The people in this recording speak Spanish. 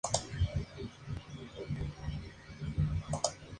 Es la institución social más antigua de la Comunidad Sorda Uruguaya.